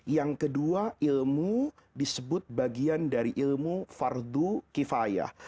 yang kedua ilmu disebut bagian dari ilmu fardu kifayah